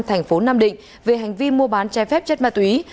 thành phố nam định về hành vi mua bán trái phép chất ma túy